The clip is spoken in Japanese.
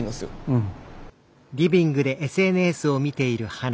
うん。